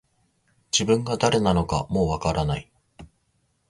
自分が誰なのかもう分からない